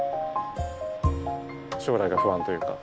将来が不安というか。